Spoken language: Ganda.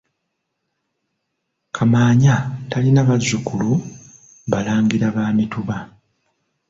Kamaanya talina bazzukulu balangira ba mituba.